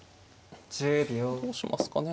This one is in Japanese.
どうしますかね。